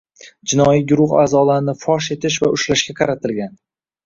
jinoiy guruh a’zolarini fosh etish va ushlashga qaratilgan